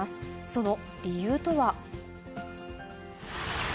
その理由とは。